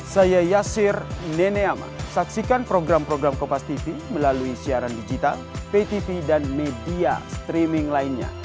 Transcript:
saya yasir neneama saksikan program program kompastv melalui siaran digital ptv dan media streaming lainnya